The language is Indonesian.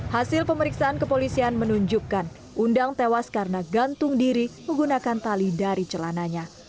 hasil pemeriksaan kepolisian menunjukkan undang tewas karena gantung diri menggunakan tali dari celananya